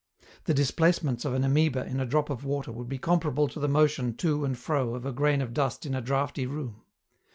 The displacements of an amoeba in a drop of water would be comparable to the motion to and fro of a grain of dust in a draughty room.